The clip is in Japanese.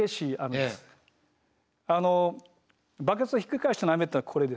あのバケツをひっくり返したような雨ってのはこれです。